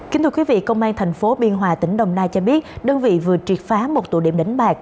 kính thưa quý vị công an thành phố biên hòa tỉnh đồng nai cho biết đơn vị vừa triệt phá một tụ điểm đánh bạc